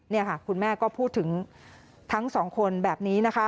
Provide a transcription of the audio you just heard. นี่ค่ะคุณแม่ก็พูดถึงทั้งสองคนแบบนี้นะคะ